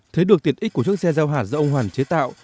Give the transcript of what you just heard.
thế được tiện ích của chiếc xe gieo hạt do ông hoàn chế tạo